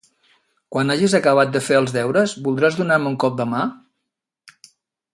Quan hagis acabat de fer els deures, voldràs donar-me un cop de mà?